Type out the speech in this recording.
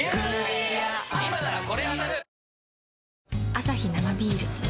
アサヒ生ビール